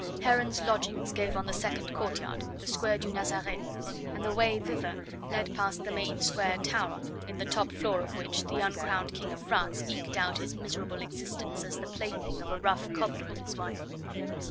Heron's lodgings gave on the second courtyard, the Square du Nazaret, and the way thither led past the main square tower, in the top floor of which the uncrowned King of France eked out his miserable existence as the plaything of a rough cobbler and his wife.